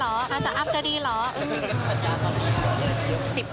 เธอเล่นคำสัญญาต่อไป๑๐ปี